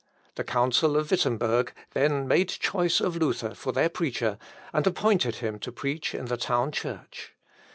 The council of Wittemberg then made choice of Luther for their preacher, and appointed him to preach in the town church.